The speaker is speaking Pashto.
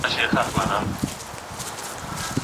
لارښود د محصل هڅونه کوي.